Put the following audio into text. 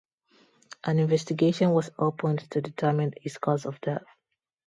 An investigation was opened to determine his cause of death.